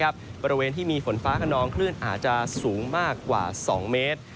บริเวณที่มีฝนฟ้าขนองคลื่นอาจจะสูงมากกว่า๒เมตร